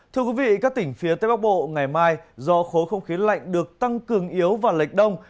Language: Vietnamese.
thưa quý vị các tỉnh phía tây bắc bộ ngày mai do khối không khí lạnh được tăng cường yếu và lệch đông